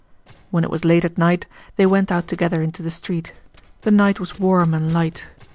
When it was late at night they went out together into the street. The night was warm and light.